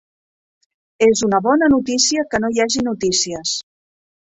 És una bona notícia que no hi hagi notícies.